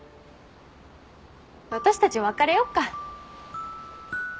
私たち別れよっか。